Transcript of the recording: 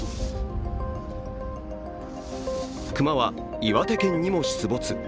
熊は岩手県にも出没。